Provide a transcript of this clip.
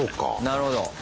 なるほど。